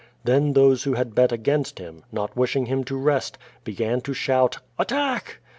Then those who had bet against him, not wishing him to rest, began to shout, "at tack!"